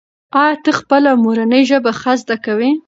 ایا ته خپله مورنۍ ژبه ښه زده کوې؟